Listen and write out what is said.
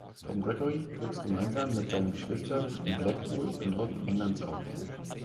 Tom Gregory wuchs gemeinsam mit seinen Geschwistern in Blackpool im Norden Englands auf.